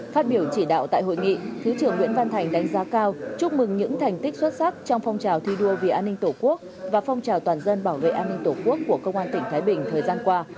phát biểu chỉ đạo tại hội nghị thứ trưởng nguyễn văn thành đánh giá cao chúc mừng những thành tích xuất sắc trong phong trào thi đua vì an ninh tổ quốc và phong trào toàn dân bảo vệ an ninh tổ quốc của công an tỉnh thái bình thời gian qua